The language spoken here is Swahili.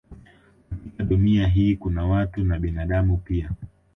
Katika Dunia hii kuna watu na binadamu pia